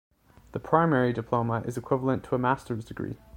The primary diploma is equivalent to a master's degree.